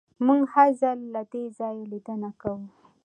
موږ هر ځل له دې ځایه لیدنه کوو